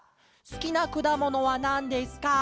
「すきなくだものはなんですか？